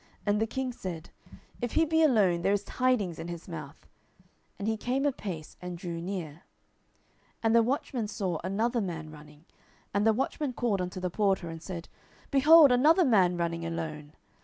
And the king said, If he be alone, there is tidings in his mouth. And he came apace, and drew near. 10:018:026 And the watchman saw another man running: and the watchman called unto the porter, and said, Behold another man running alone.